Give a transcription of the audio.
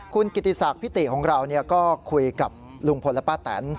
คุณกิติศักดิ์พิติของเราก็คุยกับลุงพลและป้าแตน